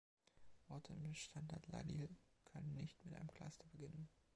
Worte im Standard-Ladil können nicht mit einem Cluster beginnen.